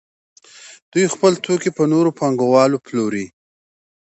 دوی خپل توکي په نورو پانګوالو پلوري